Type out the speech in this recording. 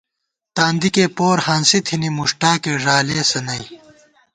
تاندِکے پور ہانسی تھنی، مݭٹاکے ݫالېسہ نئ